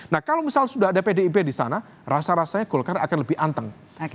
nah kalau misalnya sudah ada pdip di sana rasa rasanya golkar akan lebih anteng